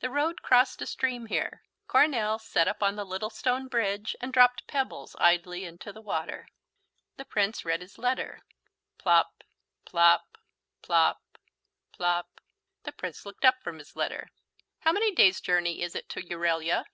The road crossed a stream here. Coronel sat up on the little stone bridge and dropped pebbles idly into the water. The Prince read his letter. Plop ... Plop ... Plop ... Plop ... The Prince looked up from his letter. "How many days' journey is it to Euralia?"